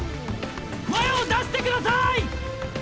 声を出してくださいッ！